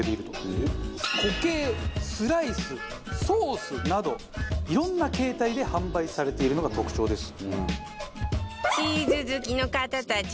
固形スライスソースなど色んな形態で販売されているのが特徴です。